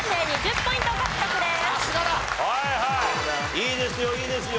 いいですよいいですよ。